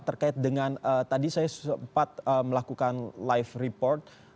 terkait dengan tadi saya sempat melakukan live report